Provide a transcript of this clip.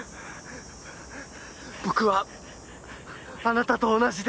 僕はあなたと同じです。